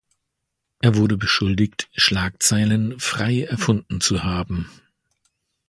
Er wurde beschuldigt, Schlagzeilen frei erfunden zu haben.